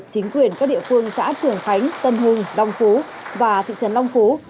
chính quyền các địa phương xã trường khánh tân hưng long phú và thị trấn long phú